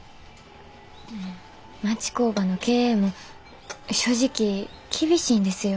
町工場の経営も正直厳しいんですよ。